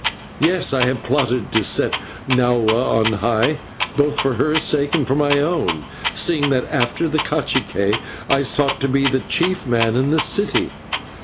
Yes, I have plotted to set Nahua on high, both for her sake and for my own, seeing that after the /cacique/ I sought to be the chief man in the city.